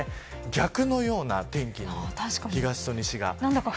逆のような天気に、東と西が。